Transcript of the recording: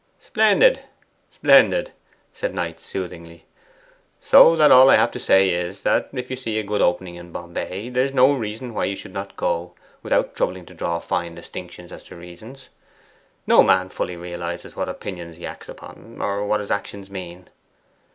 'Splendid, splendid!' said Knight soothingly. 'So that all I have to say is, that if you see a good opening in Bombay there's no reason why you should not go without troubling to draw fine distinctions as to reasons. No man fully realizes what opinions he acts upon, or what his actions mean.